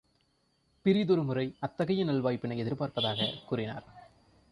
பிறிதொரு முறை அத்தகைய நல்வாய்ப்பினை எதிர்பார்ப்பதாகக் கூறினார்.